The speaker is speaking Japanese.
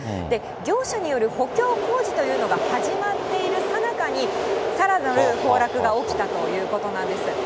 業者による補強工事というのが始まっているさなかに、さらなる崩落が起きたということなんです。